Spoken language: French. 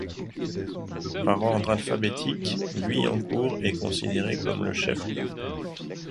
Par ordre alphabétique, Guyencourt est considéré comme le chef-lieu.